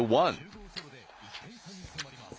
１０号ソロで１点差に迫ります。